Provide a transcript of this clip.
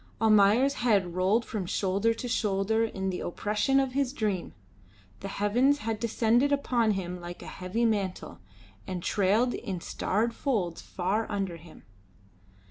Almayer's head rolled from shoulder to shoulder in the oppression of his dream; the heavens had descended upon him like a heavy mantle, and trailed in starred folds far under him.